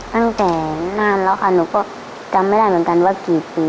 ตั้งแต่นานแล้วค่ะหนูก็จำไม่ได้เหมือนกันว่ากี่ปี